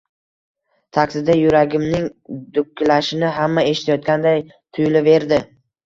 Taksida yuragimning dukillashini hamma eshitayotganday tuyulaverdi